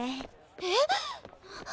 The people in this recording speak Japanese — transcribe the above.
えっ！？